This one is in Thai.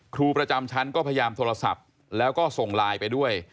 ครูประจำชั้นก็พยายามโทรศัพท์แล้วก็ส่งไลน์ไปด้วย